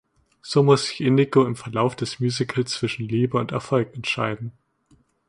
So muss sich Indigo im Verlauf des Musicals zwischen Liebe und Erfolg entscheiden.